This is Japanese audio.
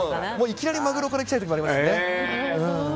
いきなりマグロからいきたい時もありますね。